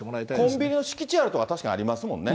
コンビニの敷地である所は確かにありますもんね。